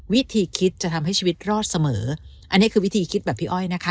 วิธีคิดจะทำให้ชีวิตรอดเสมออันนี้คือวิธีคิดแบบพี่อ้อยนะคะ